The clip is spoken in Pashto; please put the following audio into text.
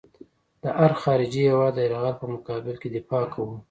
د هر خارجي هېواد د یرغل په مقابل کې دفاع کوو.